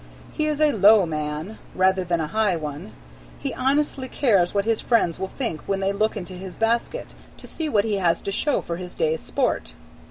He is a "low man" rather than a high one; he honestly cares what his friends will think when they look into his basket to see what he has to show for his day's sport.